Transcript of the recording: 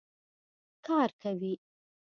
کار کوي